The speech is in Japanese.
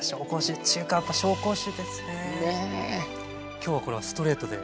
今日はこれはストレートで。